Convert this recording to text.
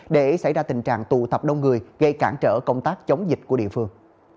để xảy ra tình trạng tụ tập đông người gây cản trở công tác chống dịch của địa phương